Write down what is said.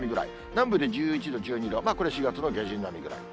南部で１１度、１２度、これ、４月の下旬並みぐらい。